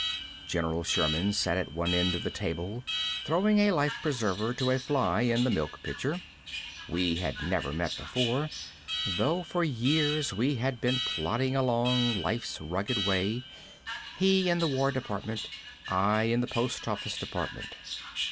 General Sherman sat at one end of the table, throwing a life preserver to a fly in the milk pitcher. We had never met before, though for years we had been plodding along life's rugged way he in the war department, I in the postoffice department.